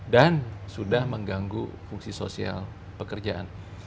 dan sudah mengganggu fungsi sosial pekerjaan